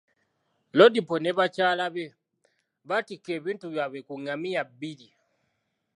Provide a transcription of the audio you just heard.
Lodipo ne bakyala be, baatikka ebintu byabwe ku ngamiya bbiri.